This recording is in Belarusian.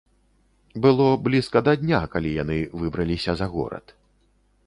Было блізка да дня, калі яны выбраліся за горад.